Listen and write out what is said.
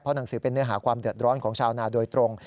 หนังสือเป็นเนื้อหาความเดือดร้อนของชาวนาโดยตรง